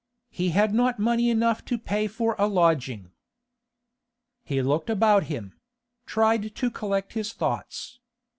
He had not money enough to pay for a lodging. He looked about him; tried to collect his thoughts.